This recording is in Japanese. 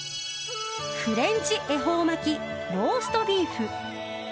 フレンチ恵方巻／ローストビーフ。